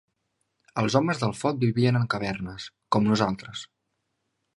Els Homes del Foc vivien en cavernes, com nosaltres.